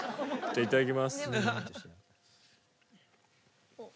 じゃあいただきます。